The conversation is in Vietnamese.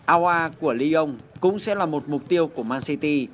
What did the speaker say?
aoa của lyon cũng sẽ là một mục tiêu của man city